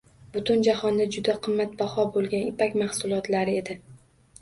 Butun jahonda juda qimmatbaho boʻlgan ipak mahsulotlari edi.